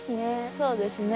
そうですね。